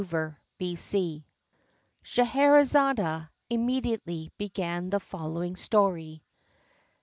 Scheherazade immediately began the following story.